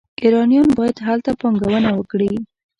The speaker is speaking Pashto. ایرانیان باید هلته پانګونه وکړي.